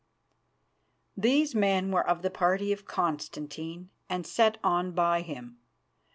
These men were of the party of Constantine, and set on by him.